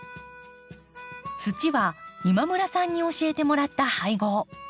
土は今村さんに教えてもらった配合。